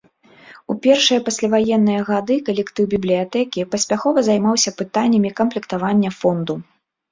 У першыя пасляваенныя гады калектыў бібліятэкі паспяхова займаўся пытаннямі камплектавання фонду.